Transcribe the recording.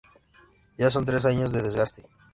Ya son tres años de desgaste.